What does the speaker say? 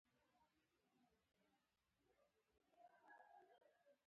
د پښتو بډاینه په لوست کې ده.